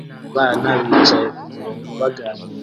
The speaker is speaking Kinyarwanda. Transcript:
abana bicara kumurongo baganira